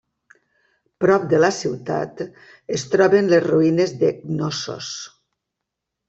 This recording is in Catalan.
Prop de la ciutat es troben les ruïnes de Cnossos.